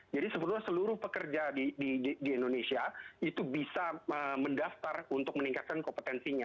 jadi sebetulnya seluruh pekerja di indonesia itu bisa mendaftar untuk meningkatkan kompetensinya